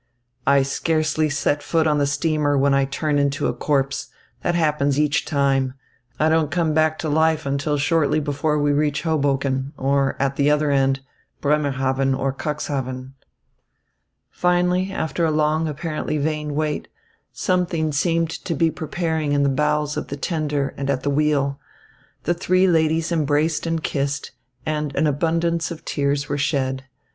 "I scarcely set foot on the steamer when I turn into a corpse. That happens each time. I don't come back to life until shortly before we reach Hoboken or, at the other end, Bremerhaven or Cuxhaven." Finally, after a long, apparently vain wait, something seemed to be preparing in the bowels of the tender and at the wheel. The three ladies embraced and kissed, and an abundance of tears were shed.